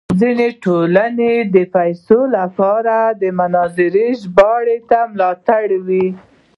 ځینې ټولنې د پیسو لپاره د مناظرې ژباړې ته ملا تړي.